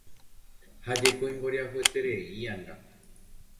Ha jeko imboriahutereíanga